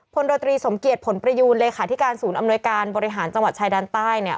โรตรีสมเกียจผลประยูนเลขาธิการศูนย์อำนวยการบริหารจังหวัดชายแดนใต้เนี่ย